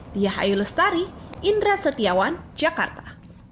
diah ayu lestari indra setiawan jakarta